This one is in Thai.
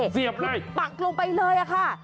เสียบเลยปักลงไปเลยค่ะ